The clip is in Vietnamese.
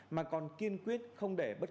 mà còn kiên quyết không để bất cứ loại tội